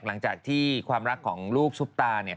หลังจากที่ความรักของลูกซุปตา